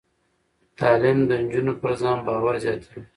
تعلیم د نجونو پر ځان باور زیاتوي.